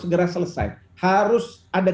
segera selesai harus ada